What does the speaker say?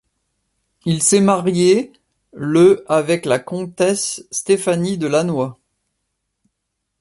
Il s'est marié le avec la comtesse Stéphanie de Lannoy.